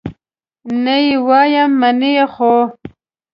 نه یې وایم، منې خو؟